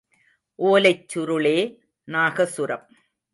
ஓலைச் சுருளே nagaswaram.